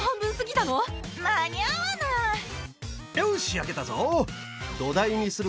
よし焼けたぞ。